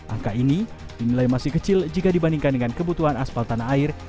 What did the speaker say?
angka ini dinilai masih kecil jika dibandingkan dengan kebutuhan aspal tanah air